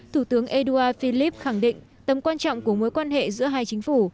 thủ tướng edouard philippe khẳng định tầm quan trọng của mối quan hệ giữa hai chính phủ